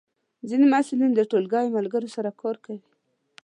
ځینې محصلین د ټولګی ملګرو سره ګډ کار کوي.